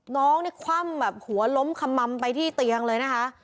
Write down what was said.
น้องนี่คว่ำแบบหัวล้มขมัมไปที่เตียงเลยนะคะ